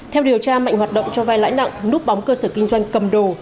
theo điều tra mạnh hoạt động cho vai lãi nặng núp bóng cơ sở kinh doanh cầm đồ